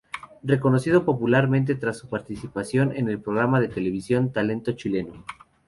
Reconocido popularmente tras su participación en el programa de televisión "Talento chileno".